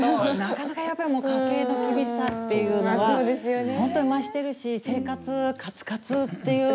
なかなかやっぱりもう家計の厳しさっていうのは本当に増してるし生活カツカツっていう。